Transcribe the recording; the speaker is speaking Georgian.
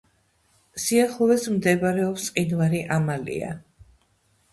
სიახლოვეს მდებარეობს მყინვარი ამალია.